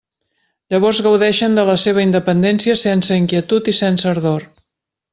Llavors gaudeixen de la seva independència sense inquietud i sense ardor.